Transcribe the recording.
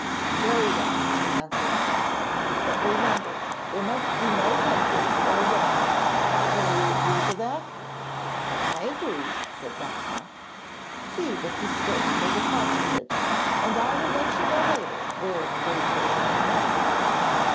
'Very well,' answered Skelton; 'but remember there must be no hedges or walls. Do you agree to that?' 'I agree,' said Metcalfe; 'see that the stakes are deposited, and I will let you know later where the wager shall come off.'